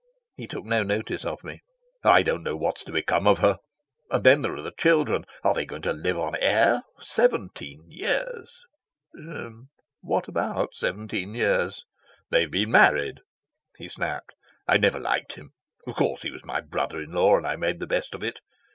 He took no notice of me. "I don't know what's to become of her. And then there are the children. Are they going to live on air? Seventeen years." "What about seventeen years?" "They've been married," he snapped. "I never liked him. Of course he was my brother in law, and I made the best of it.